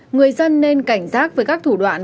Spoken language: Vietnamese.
người dân nên cảnh giác với các thủ đoạn